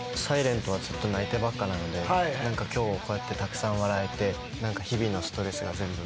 『ｓｉｌｅｎｔ』はずっと泣いてばっかなので今日こうやってたくさん笑えて日々のストレスが全部。